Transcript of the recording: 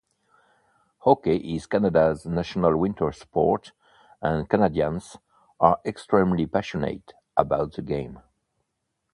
Hockey is Canada's national winter sport, and Canadians are extremely passionate about the game.